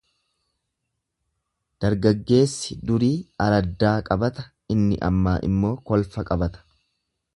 Dargaggeessi durii araddaa qabata inni ammaa immoo kolfa baqata.